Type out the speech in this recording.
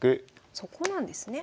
そこなんですね。